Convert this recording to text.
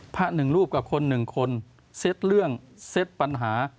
ประหนึ่งรูปกับคนคนเซ็ตเรื่องเซ็ตปันหา